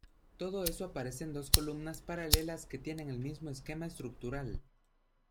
Todo eso aparece en dos columnas paralelas que tienen el mismo esquema estructural.